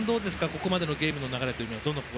ここまでのゲームの流れ